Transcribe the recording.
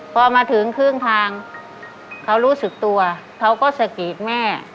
พอมาถึงครึ่งทางเขารู้สึกตัวเขาก็สกรีดแม่